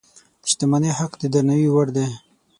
د شتمنۍ حق د درناوي وړ دی.